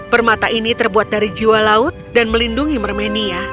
permata ini terbuat dari jiwa laut dan melindungi mermenia